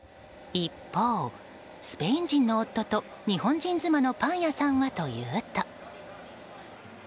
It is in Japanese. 一方、スペイン人の夫と日本人妻のパン屋さんはというと。